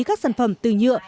các sản phẩm từ nhựa